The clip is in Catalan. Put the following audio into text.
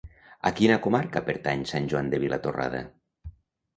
A quina comarca pertany Sant Joan de Vilatorrada?